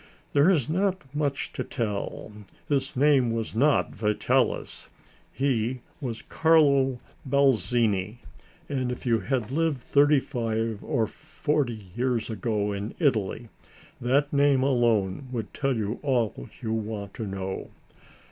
"There is not much to tell. His name was not Vitalis. He was Carlo Balzini, and if you had lived thirty five or forty years ago in Italy, that name alone would tell you all you want to know.